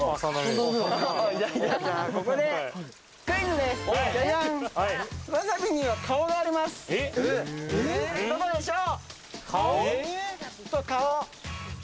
どこでしょう？